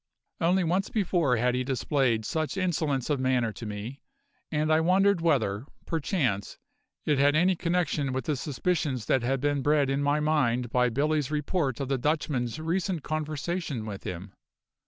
Only once before had he displayed such insolence of manner to me; and I wondered whether, perchance, it had any connection with the suspicions that had been bred in my mind by Billy's report of the Dutchman's recent conversation with him.